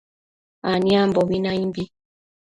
aniambobi naimbi